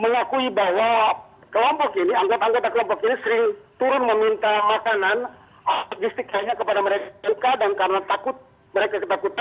mengakui bahwa kelompok ini anggota anggota kelompok ini sering turun meminta makanan logistik hanya kepada mereka dan karena takut mereka ketakutan